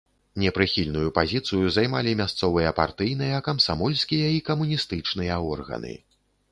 Непрыхільную пазіцыю займалі мясцовыя партыйныя, камсамольскія і камуністычныя органы.